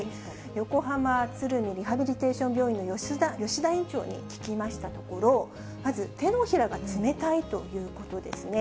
横浜鶴見リハビリテーション病院の吉田院長に聞きましたところ、まず手のひらが冷たいということですね。